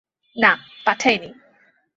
না, পাঠাই নি।